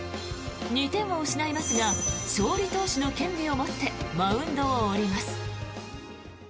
２点を失いますが勝利投手の権利を持ってマウンドを降ります。